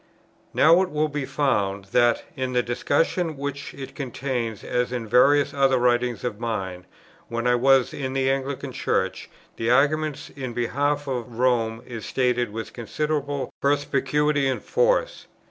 Now it will be found, that, in the discussion which it contains, as in various other writings of mine, when I was in the Anglican Church, the argument in behalf of Rome is stated with considerable perspicuity and force.